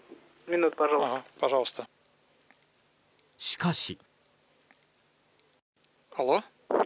しかし。